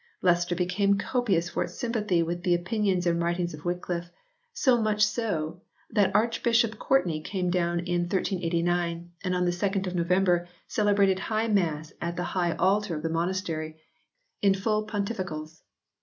Leicester became conspicuous for its sympathy with the opinions and writings of Wycliffe, so much so that Archbishop Courtney came down in 1389 and on the 2nd of November celebrated high mass at the high altar of the monastery in full pontificals.